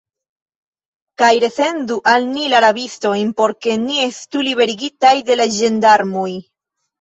Kaj resendu al ni la rabistojn, por ke ni estu liberigitaj de la ĝendarmoj!